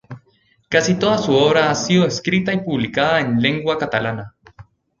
Casi toda su obra ha sido escrita y publicada en lengua catalana.